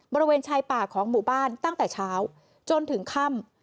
บริเวณชายป่าของหมู่บ้านตั้งแต่เช้าจนถึงค่ำ